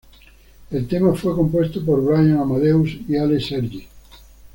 El tema fue compuesto por Bryan Amadeus y Ale Sergi.